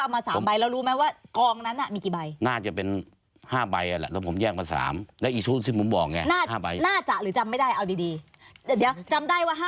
เพราะว่ามันอาจจะเฉพาะใช่ไหม